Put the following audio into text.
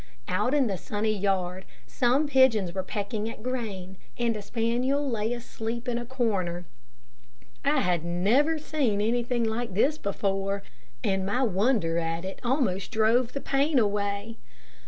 Out in the sunny yard, some pigeons were pecking at grain, and a spaniel lay asleep in a corner. I had never seen anything like this before, and my wonder at it almost drove the pain away.